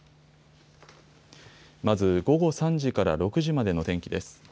まず午後３時から６時までの天気です。